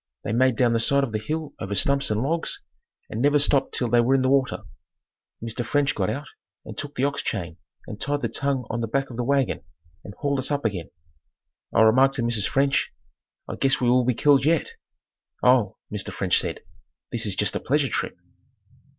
They made down the side of the hill over stumps and logs and never stopped till they were in the water. Mr. French got out and took the ox chain and tied the tongue on the back of the wagon and hauled us up again. I remarked to Mrs. French, "I guess we will be killed yet!" "Oh," Mr. French said, "This is just a pleasure trip."